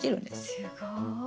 すごい。